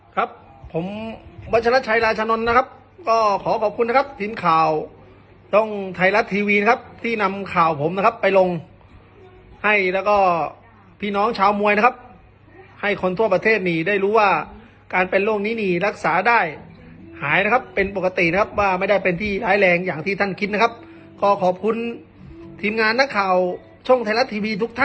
ครับผมวัชรชัยราชนนท์นะครับก็ขอขอบคุณนะครับทีมข่าวช่องไทยรัฐทีวีนะครับที่นำข่าวผมนะครับไปลงให้แล้วก็พี่น้องชาวมวยนะครับให้คนทั่วประเทศนี่ได้รู้ว่าการเป็นโรคนี้นี่รักษาได้หายนะครับเป็นปกตินะครับว่าไม่ได้เป็นที่ร้ายแรงอย่างที่ท่านคิดนะครับขอขอบคุณทีมงานนักข่าวช่องไทยรัฐทีวีทุกท่าน